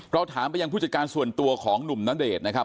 เราถามไปยังผู้จัดการส่วนตัวของหนุ่มณเดชน์นะครับ